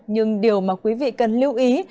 nhưng điều mà quý vị cần lưu ý